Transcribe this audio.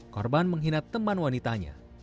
korban menghina teman wanitanya